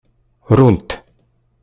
Runt.